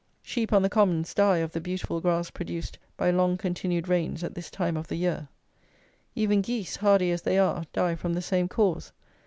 Sheep on the commons die of the beautiful grass produced by long continued rains at this time of the year. Even geese, hardy as they are, die from the same cause.